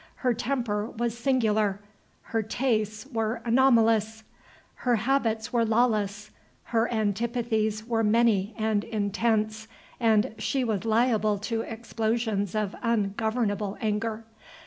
Her temper was singular, her tastes were anomalous, her habits were lawless, her antipathies were many and intense, and she was liable to explosions of ungovernable anger.